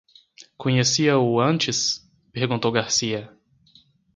Conhecia-o antes? perguntou Garcia.